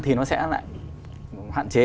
thì nó sẽ lại hạn chế